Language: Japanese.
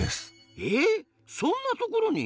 えっそんなところに？